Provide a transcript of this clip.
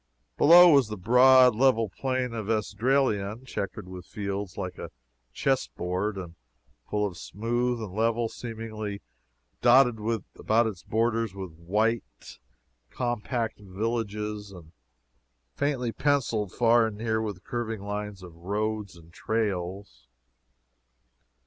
Below, was the broad, level plain of Esdraelon, checkered with fields like a chess board, and full as smooth and level, seemingly; dotted about its borders with white, compact villages, and faintly penciled, far and near, with the curving lines of roads and trails.